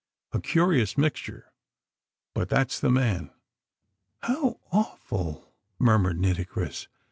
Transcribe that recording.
A curious mixture: but that's the man." "How awful!" murmured Nitocris.